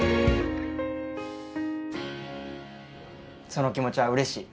その気持ちはうれしい。